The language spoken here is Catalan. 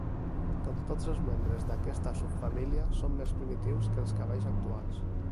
Com tots els membres d'aquesta subfamília, són més primitius que els cavalls actuals.